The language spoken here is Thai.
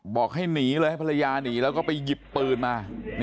บอกให้หนีเลยให้ภรรยาหนีแล้วก็ไปหยิบปืนมา